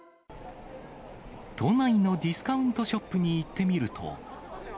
都内のディスカウントショップに行ってみると。